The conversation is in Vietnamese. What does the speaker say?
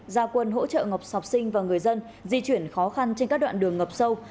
gia quân hỗ trợ ngọc sọc sinh và người dân di chuyển khó khăn trên các đoạn đường ngập sâu